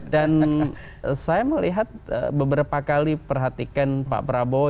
dan saya melihat beberapa kali perhatikan pak prabowo